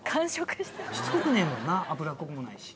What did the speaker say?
しつこくねぇもんな脂っこくもないし。